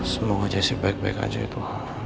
semoga jessica baik baik aja itu